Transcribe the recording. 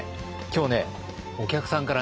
今日ねお客さんからね